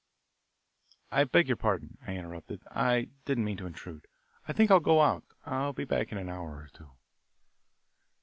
"I beg your pardon," I interrupted, "I didn't mean to intrude. I think I'll go out. I'll be back in an hour or two."